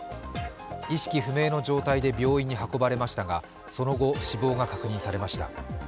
意識不明の状態で病院に運ばれましたが、その後、死亡が確認されました。